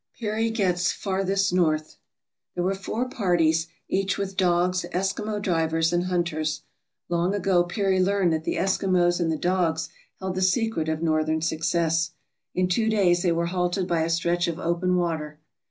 Peary gets "Farthest North" There were four parties, each with dogs, Eskimo drivers, and hunters. Long ago Peary learned that the Eskimos and the dogs held the secret of northern success. In two days they were halted by a stretch of open water.